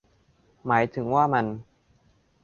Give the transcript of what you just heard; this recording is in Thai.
หมายถึงว่า มัน